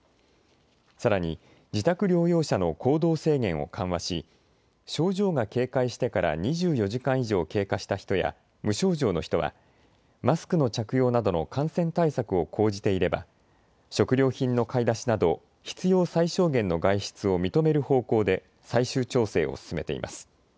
さらに自宅療養者の行動制限を緩和し症状が軽快してから２４時間以上経過した人や無症状の人はマスクの着用などの感染対策を講じていれば食料品の買い出しなど必要最小限の外出を認める方向で最終調整を進めています。